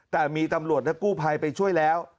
แต่มีตำรวจและกู้ภัยไปช่วยแล้ว